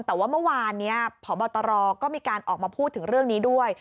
แต่ว่าเมื่อวานนี้พบตรก็มีการออกมาพูดถึงเรื่องนี้ด้วย